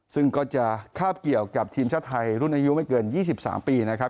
ซึ่งก็จะคาบเกี่ยวกับทีมชาติไทยรุ่นอายุไม่เกิน๒๓ปีนะครับ